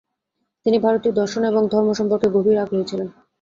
তিনি ভারতীয় দর্শন এবং ধর্ম সম্পর্কে গভীর আগ্রহী ছিলেন।